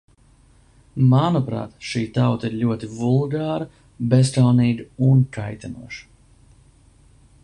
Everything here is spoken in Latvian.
Manuprāt, šī tauta ir ļoti vulgāra, bezkaunīga un kaitinoša.